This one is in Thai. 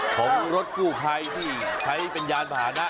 ของรถกู้ภัยที่ใช้เป็นยานผ่านะ